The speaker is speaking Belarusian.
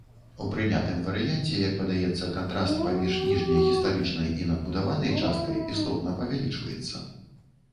У прынятым варыянце, як падаецца, кантраст паміж ніжняй гістарычнай і надбудаванай часткай істотна павялічваецца.